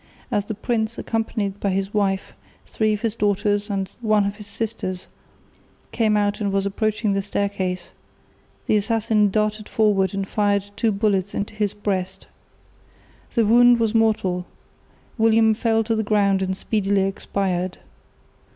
As the prince, accompanied by his wife, three of his daughters and one of his sisters, came out and was approaching the staircase, the assassin darted forward and fired two bullets into his breast. The wound was mortal; William fell to the ground and speedily expired.